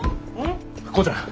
浩ちゃん。